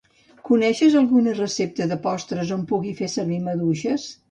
Coneixes alguna recepta de postres on pugui fer servir maduixes?